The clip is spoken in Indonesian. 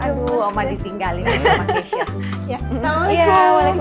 aduh oma ditinggalin sama asian